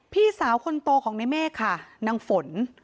พี่สาวคนโตของในเมฆค่ะนางฝน